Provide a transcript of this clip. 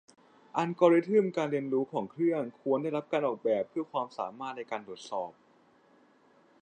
อัลกอริทึมการเรียนรู้ของเครื่องควรได้รับการออกแบบเพื่อความสามารถในการตรวจสอบ